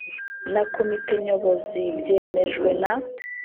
na Komite Nyobozi byemejwe na